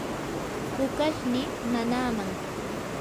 pukashnii nanaaman.